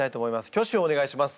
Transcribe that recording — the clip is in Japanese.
挙手をお願いします。